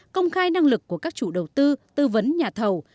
công khai năng lực của các chủ đầu tư tư vấn nhà thầu